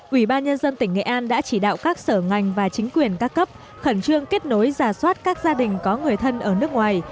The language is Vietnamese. ủy ban nhân dân tỉnh nghệ an đã chỉ đạo các sở ngành và chính quyền các cấp khẩn trương kết nối giả soát các gia đình có người thân ở nước ngoài